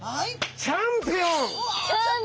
チャンピオン！